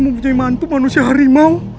mempunyai mantu manusia harimau